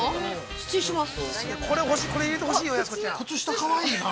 失礼します。